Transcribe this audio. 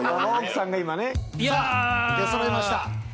さあ出そろいました。